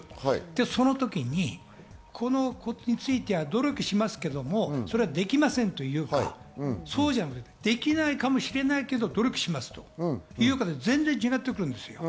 その時にこのことについては努力しますけどそれをできませんというか、できないかもしれないけれど努力しますと言うかで全然違ってくるんですよ。